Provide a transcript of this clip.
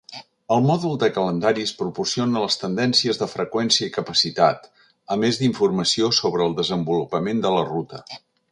El mòdul de calendaris proporciona les tendències de freqüència i capacitat, a més d"informació sobre el desenvolupament de la ruta.